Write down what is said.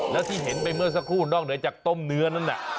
แล้วที่เห็นไปเมื่อสักครู่นอกเหนือจากต้มเนื้อนั่นน่ะ